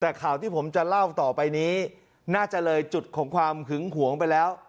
แต่ข่าวที่ผมจะเล่าต่อไปนี้น่าจะเลยจุดของความหึงหวงไปแล้ว